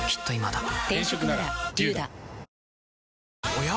おや？